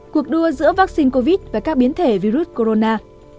cuộc đua giữa vaccine covid và các biến thể virus corona